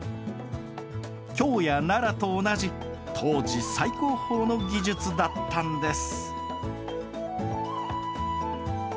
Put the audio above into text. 京や奈良と同じ当時最高峰の技術だったんです。